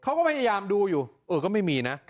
เขาก็พยายามดูอยู่เออก็ไม่มีนะ